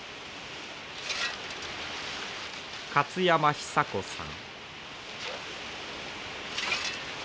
勝山久子さん。